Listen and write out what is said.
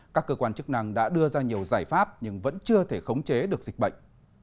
các cơ quan chức năng đã đưa ra nhiều giải pháp nhưng vẫn chưa thể khống chế được dịch bệnh